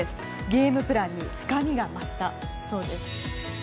ゲームプランに深みが増したそうです。